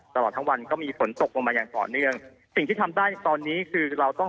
ตลอดทั้งวันก็มีฝนตกลงมาอย่างต่อเนื่องสิ่งที่ทำได้ตอนนี้คือเราต้อง